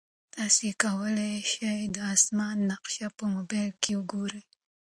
تاسي کولای شئ د اسمان نقشه په موبایل کې وګورئ.